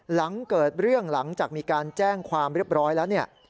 หลังเกิดเรื่องหลังจากมีการแจ้งความเรียบร้อยแล้วเนี่ย